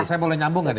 saya mau nyambungkan